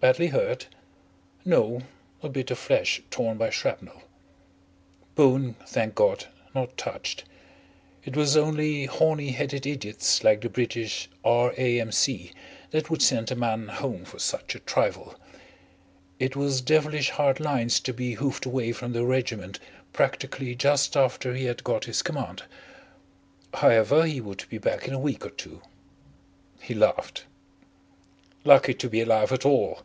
Badly hurt? No, a bit of flesh torn by shrapnel. Bone, thank God, not touched. It was only horny headed idiots like the British R. A. M. C. that would send a man home for such a trifle. It was devilish hard lines to be hoofed away from the regiment practically just after he had got his command. However, he would be back in a week or two. He laughed. "Lucky to be alive at all."